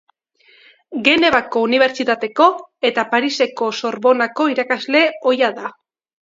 Genevako Unibertsitateko eta Pariseko Sorbonako irakasle ohia da.